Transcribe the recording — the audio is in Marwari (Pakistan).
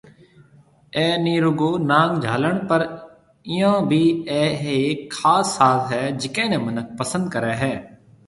اي ني رُگو نانگ جھالڻ پر ايئون بِي اي ھيَََڪ خاص ساز ھيَََ جڪي ني منک پسند ڪري ھيَََ